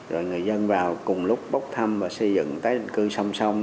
rồi người dân vào cùng lúc bốc thăm và xây dựng tái định cư sông sông